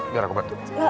biar aku bantu